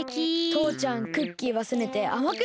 とうちゃんクッキーはせめてあまくないと！